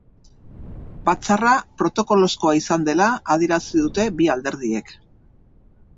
Batzarra protokolozkoa izan dela adierazi dute bi alderdiek.